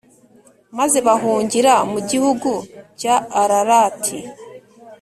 maze bahungira mu gihugu cya Ararati.